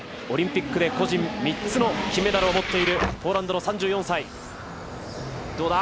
オリンピックで個人３つの金メダルを持っているポーランドの３４歳。